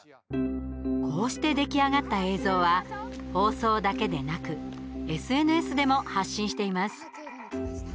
こうして出来上がった映像は放送だけでなくＳＮＳでも発信しています。